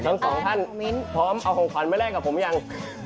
ทั้งสองท่านพร้อมเอาของขวัญไปแลกกับผมยัง